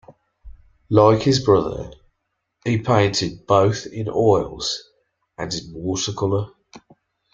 Like his brother, he painted both in oils and in water colour.